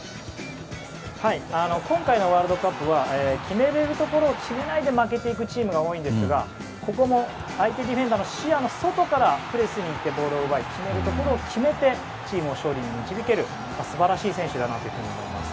今回のワールドカップは決めれるところを決めないで負けていくチームが多いんですが、得点シーンは相手ディフェンダーの視野の外からプレスに行ってボールを奪い決めるところを決めてチームを勝利に導ける素晴らしい選手だと思います。